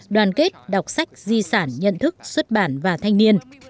đoàn kết đọc sách di sản nhận thức xuất bản và thanh niên